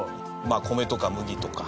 米とか麦とか。